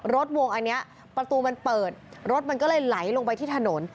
ดวงอันนี้ประตูมันเปิดรถมันก็เลยไหลลงไปที่ถนน